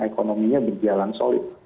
ekonominya berjalan solid